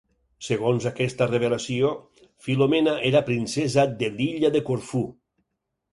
Segons aquesta revelació, Filomena era princesa de l'illa de Corfú.